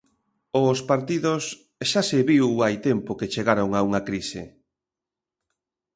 Os partidos xa se viu hai tempo que chegaron a unha crise.